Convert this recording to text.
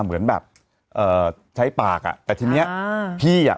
แต่อาจจะส่งมาแต่อาจจะส่งมา